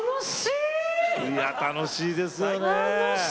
いやぁ楽しいですよね。